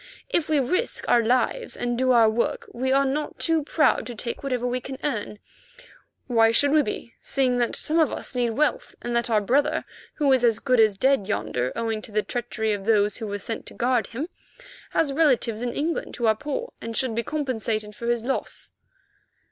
If we risk our lives and do our work, we are not too proud to take whatever we can earn. Why should we be, seeing that some of us need wealth, and that our brother, who is as good as dead yonder, owing to the treachery of those who were sent to guard him, has relatives in England who are poor and should be compensated for his loss?"